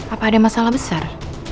apa ada masalah besar